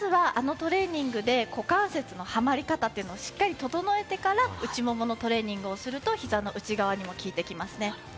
まずはあのトレーニングで股関節のはまり方をしっかり整えてから、内腿のトレーニングをすると膝の内側にも効いてきますね。